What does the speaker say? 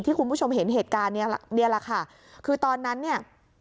คุณผู้ชมเห็นเหตุการณ์เนี่ยนี่แหละค่ะคือตอนนั้นเนี่ย